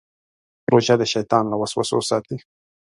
روژه د شیطان له وسوسو ساتي.